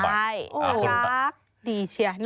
ครับดีเชียว